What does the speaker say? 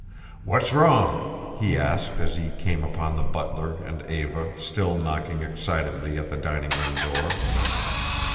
"What's wrong?" he asked as he came upon the butler and Eva still knocking excitedly at the dining room door.